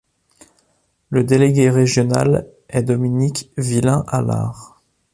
Le délégué régional est Dominique Vilain-Allard.